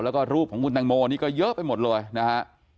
แล้วก็รูปของคุณตังโมนี่ก็เยอะไปหมดเลยนะฮะ